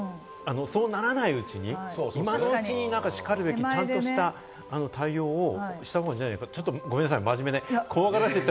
そうならないうちに、今のうちにしかるべきちゃんとした対応をした方が、ちょっとごめんなさい、真面目に。